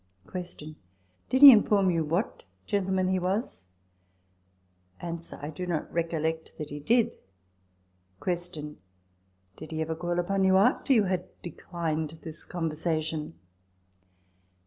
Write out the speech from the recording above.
Q. Did he inform you what gentleman he was ? A . I do not recollect that he did. Q. Did he ever call upon you after you had de clined this conversation